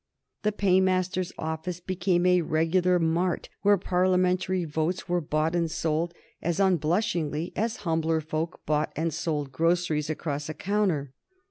The Paymaster's Office became a regular mart where parliamentary votes were bought and sold as unblushingly as humbler folk bought and sold groceries across a counter.